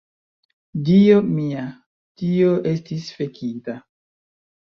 ... Dio mia, tio estis fekita!